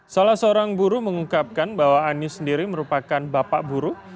salah seorang buruh mengungkapkan bahwa anies sendiri merupakan bapak buruh